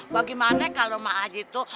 bagaimana kalau emak haji tuh